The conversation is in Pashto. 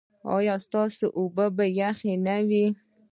ایا ستاسو اوبه به یخې نه وي؟